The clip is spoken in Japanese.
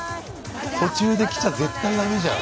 途中で着ちゃ絶対ダメじゃん。